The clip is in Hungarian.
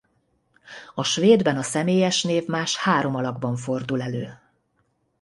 A svédben a személyes névmás három alakban fordul elő.